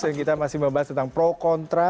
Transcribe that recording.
dan kita masih membahas tentang pro kontra